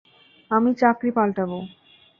আমি চাকরি পাল্টাবো।